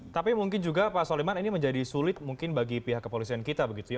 tapi mungkin juga pak soleman ini menjadi sulit mungkin bagi pihak kepolisian kita begitu ya